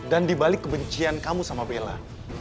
dan dibalik kebencian kamu sama bella